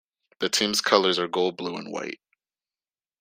The team's colors are gold, blue and white.